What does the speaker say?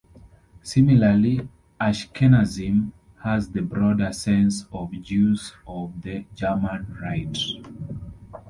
Similarly "Ashkenazim" has the broader sense of "Jews of the German rite".